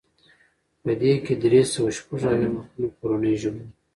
په دې کې درې سوه شپږ اویا مخونه کورنیو ژبو وو.